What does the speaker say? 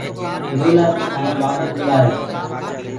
ايٚرو لآ تو سآئينٚ وآپس بلآ هيروئي